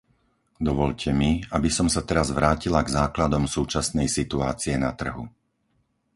Dovoľte mi, aby som sa teraz vrátila k základom súčasnej situácie na trhu.